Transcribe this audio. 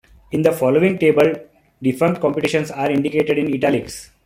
In the following table defunct competitions are indicated in "italics".